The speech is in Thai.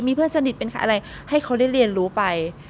มีเพื่อนสนิทเป็นใครอะไรให้เขาได้เรียนรู้ไป